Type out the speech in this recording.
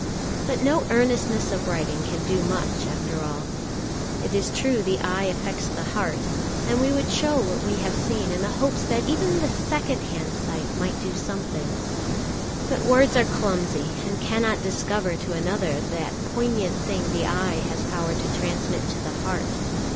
But no earnestness of writing can do much after all. It is true the eye affects the heart, and we would show what we have seen in the hope that even the second hand sight might do something; but words are clumsy, and cannot discover to another that poignant thing the eye has power to transmit to the heart.